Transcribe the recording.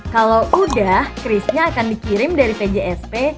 kalau udah crisnya akan dikirim dari pjsp